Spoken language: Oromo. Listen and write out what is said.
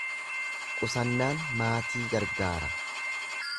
Qusannaan maatii gargaara.